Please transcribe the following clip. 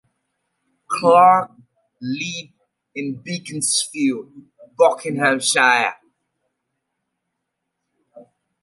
Clarke lived in Beaconsfield, Buckinghamshire.